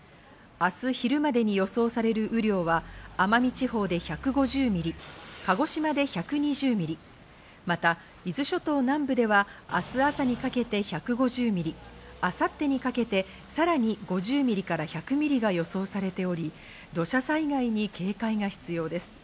明日昼までに予想される雨量は奄美地方で１５０ミリ、鹿児島で１２０ミリ、また伊豆諸島南部では明日朝にかけて１５０ミリ、明後日にかけてさらに５０ミリから１００ミリが予想されており、土砂災害に警戒が必要です。